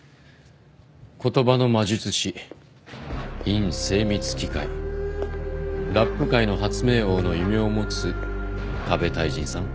「言葉の魔術師」「韻精密機械」「ラップ界の発明王」の異名を持つＫＡＢＥ太人さん